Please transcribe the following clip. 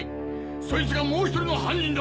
そいつがもう１人の犯人だ！